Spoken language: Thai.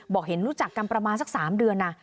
บอกเห็นรู้จักกันประมาณสัก๓เดือนนะ